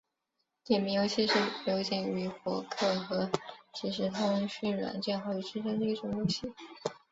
点名游戏是流行于博客和即时通讯软件好友之间的一种游戏。